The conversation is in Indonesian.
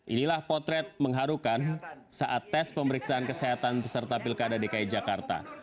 inilah potret mengharukan saat tes pemeriksaan kesehatan peserta pilkada dki jakarta